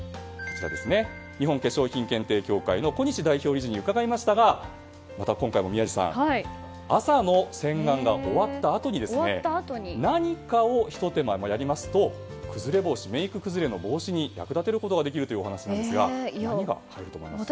日本化粧品検定協会代表理事の小西代表理事に伺いましたが、今回も宮司さん朝の洗顔が終わったあとに何かをひと手間やりますとメイク崩れの防止に役立てることができるというお話なんですが何が入ると思いますか？